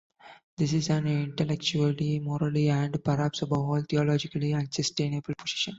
This is an intellectually, morally and, perhaps above all, theologically unsustainable position.